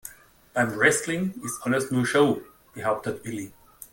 Beim Wrestling ist alles nur Show, behauptet Willi.